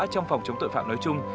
trong phòng chống tội phạm nói chung